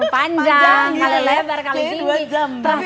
panjang kali lebar kali tinggi